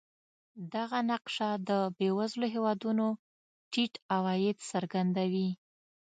دغه نقشه د بېوزلو هېوادونو ټیټ عواید څرګندوي.